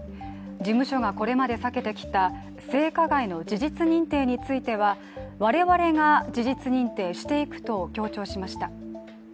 事務所がこれまで避けてきた性加害の事実認定については我々が事実認定していくと強調しました。